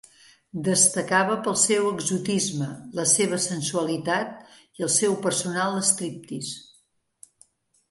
Destacava pel seu exotisme la seva sensualitat i el seu personal striptease.